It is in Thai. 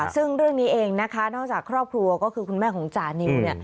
ซึ่งเรื่องนี้เองนะคะนอกจากครอบครัวก็คือคุณแม่ของจานิวเนี่ย